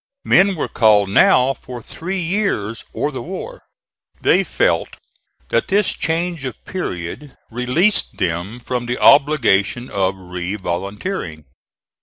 Men were called now for three years or the war. They felt that this change of period released them from the obligation of re volunteering.